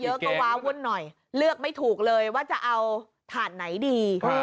เยอะก็ว้าวุ่นหน่อยเลือกไม่ถูกเลยว่าจะเอาถ่านไหนดี